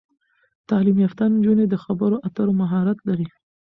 تعلیم یافته نجونې د خبرو اترو مهارت لري.